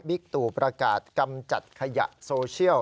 ตู่ประกาศกำจัดขยะโซเชียล